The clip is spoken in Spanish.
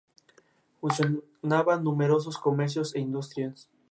En la cual estreno la sinfonía Puerto Santa Ana.